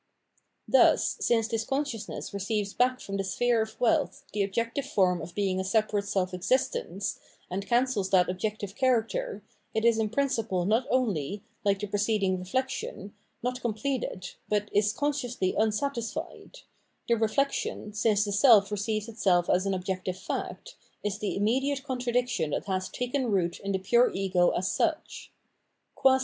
Thus since this consciousness receives back from the sphere of wealth the objective form of being a separate seM existence, and cancels that objective character, it is in principle not only, like the preced ing reflexion, not completed, but is consciously un satisfied : the reflexion, since the self receives itself as an objective fact, is the imm ediate contradiction that has taken root in the pure ego as such.